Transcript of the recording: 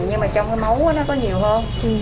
nhưng mà trong cái máu nó có nhiều hơn